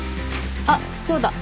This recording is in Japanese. あっそうだ。